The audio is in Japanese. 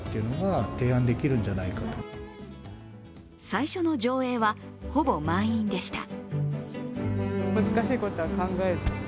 最初の上映は、ほぼ満員でした。